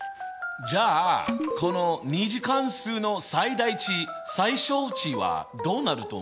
じゃあこの２次関数の最大値・最小値はどうなると思う？